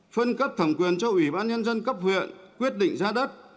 phân cấp thẩm quyền cho ủy ban nhân dân cấp huyện quyết định giá đất